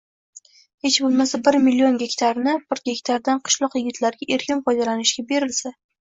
hech bo‘lmasa bir million gektarini bir gektardan qishloq yigitlariga erkin foydalanishga berilsa